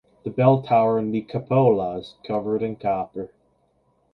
The bell tower in the cupola is covered in copper.